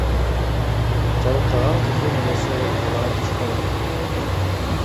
Жабыркаган кыздын энеси ооруканага түшкөн.